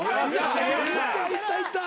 いったいった。